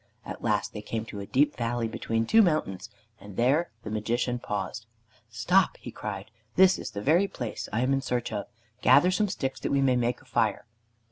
At last they came to a deep valley between two mountains, and there the Magician paused. "Stop!" he cried, "this is the very place I am in search of. Gather some sticks that we may make a fire."